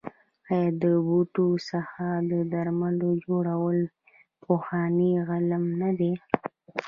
آیا د بوټو څخه د درملو جوړول پخوانی علم نه دی؟